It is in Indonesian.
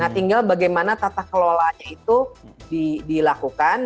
tinggal bagaimana tata kelola nya itu dilakukan